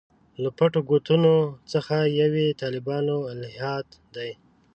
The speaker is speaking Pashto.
له پټو ګوټونو څخه یو یې طالبانو الهیات دي.